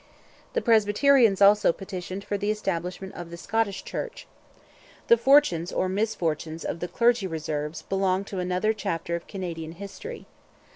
The Presbyterians also petitioned for the establishment of the Scottish Church. The fortunes or misfortunes of the Clergy Reserves belong to another chapter of Canadian history.